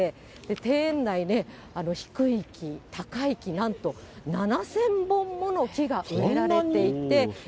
庭園内ね、低い木、高い木、なんと７０００本もの木が植えられていて。